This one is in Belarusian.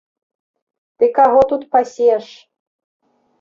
Ты каго тут пасеш!